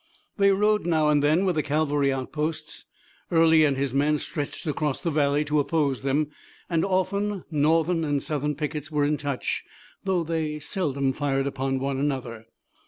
They rode now and then with the cavalry outposts. Early and his men stretched across the valley to oppose them, and often Northern and Southern pickets were in touch, though they seldom fired upon one another.